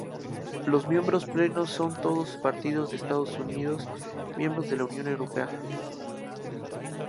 Los miembros plenos son todos partidos de Estados miembro de la Unión Europea.